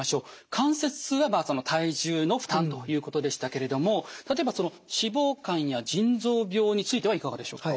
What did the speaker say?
関節痛は体重の負担ということでしたけれども例えば脂肪肝や腎臓病についてはいかがでしょうか。